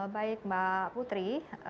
baik mbak putri